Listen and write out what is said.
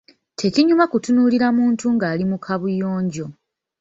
Tekinyuma kutunuulira muntu ng’ali mu Kaabuyonjo.